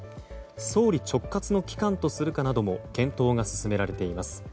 総理直轄の機関とするかなども検討が進められています。